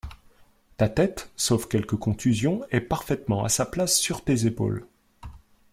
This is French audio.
Ta tête, sauf quelques contusions, est parfaitement à sa place sur tes épaules.